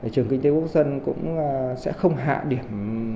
trường kinh tế quốc dân cũng sẽ không hạ điểm